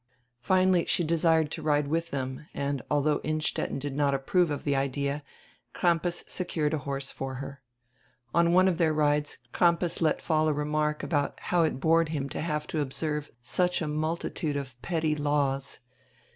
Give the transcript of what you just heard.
Finally she desired to ride widi diem and, although Innstetten did not approve of die idea, Crampas secured a horse for her. On one of their rides Crampas let fall a remark about how it bored him to have to observe such a multitude of petty laws.